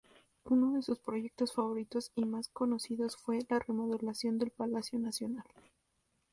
Uno de sus proyectos favoritos y más conocidos fue la remodelación del Palacio Nacional.